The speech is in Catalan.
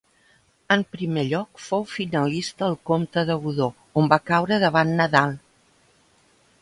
En primer lloc fou finalista al Comte de Godó, on va caure davant Nadal.